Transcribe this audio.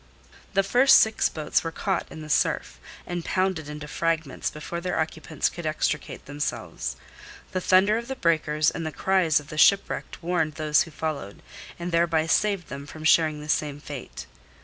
The first six boats were caught in the surf, and pounded into fragments before their occupants could extricate themselves. The thunder of the breakers and the cries of the shipwrecked warned those who followed, and thereby saved them from sharing the same fate.